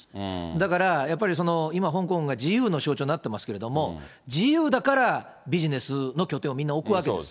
だからやっぱりその、今香港が自由の象徴になってますけれども、自由だからビジネスの拠点をみんな置くわけです。